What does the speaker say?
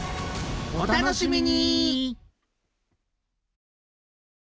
お楽しみに！